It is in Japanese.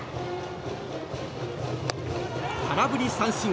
空振り三振。